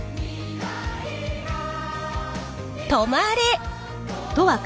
「止まれ」。